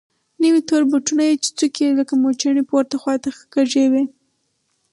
نوي تور بوټونه يې چې څوکې يې لکه موچڼې پورته خوا کږې وې.